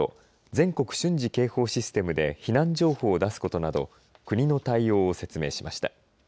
全国瞬時警報システムで避難情報を出すことなど国の対応を説明しました。